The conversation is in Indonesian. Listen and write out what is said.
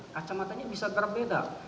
kacamatanya bisa berbeda